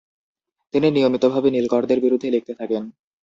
তিনি নিয়মিতভাবে নীলকরদের বিরুদ্ধে লিখতে থাকেন ।